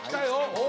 お！